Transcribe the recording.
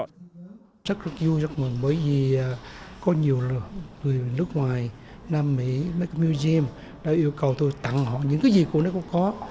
rất rất vui rất mừng bởi vì có nhiều người nước ngoài nam mỹ các museum đã yêu cầu tôi tặng họ những cái gì của nó cũng có